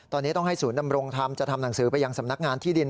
ตอนนี้ต้องให้ศูนย์ดำรงธรรมจะทำหนังสือไปยังสำนักงานที่ดิน